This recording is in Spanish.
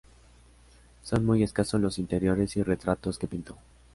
Son muy escasos los interiores y retratos que pintó.